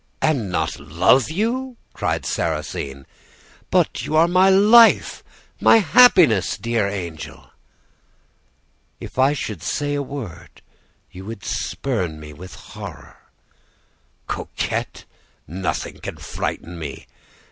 "'And not love you!' cried Sarrasine; 'but you are my life, my happiness, dear angel!' "'If I should say a word, you would spurn me with horror.' "'Coquette! nothing can frighten me.